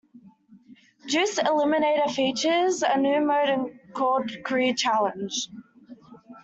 Juiced Eliminator features a new mode called Career Challenge.